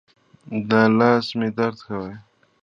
دا لاس مې درد کوي